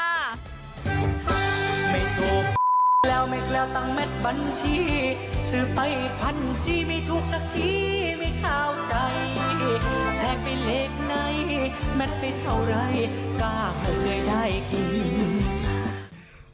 พันธุ์ที่ไม่ถูกสักทีไม่เข้าใจแปลกเป็นเลขไหนแม่นเป็นเท่าไหร่ก็เผื่อได้กิน